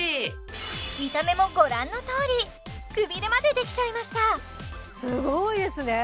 見た目もご覧のとおりクビレまでできちゃいましたすごいですね！